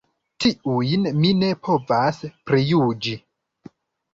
Tiujn mi ne povas prijuĝi.